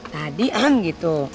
tadi eng gitu